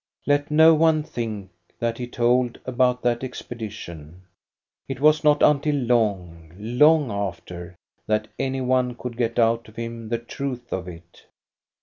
Let no one think that he told about that expedition ; it was not until long, long after that any one could get out of him the truth of it.